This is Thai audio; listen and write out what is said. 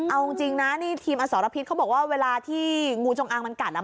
เอาจริงนะนี่ทีมอสรพิษเขาบอกว่าเวลาที่งูจงอางมันกัดอ่ะ